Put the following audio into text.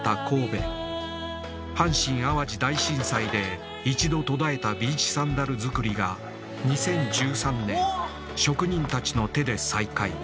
阪神・淡路大震災で一度途絶えたビーチサンダル作りが２０１３年職人たちの手で再開。